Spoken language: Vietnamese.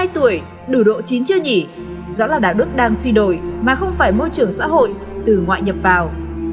năm mươi hai tuổi đủ độ chín chưa nhỉ rõ ràng là đạo đức đang suy đổi mà không phải môi trường xã hội từ ngoại nhập vào